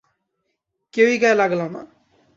কেউই গায়ে লাগালো না।